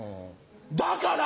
だから！